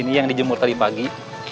ini yang dijemur tadi pagi